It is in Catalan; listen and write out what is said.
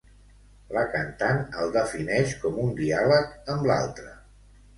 La cantant el defineix com un diàleg amb l'altre.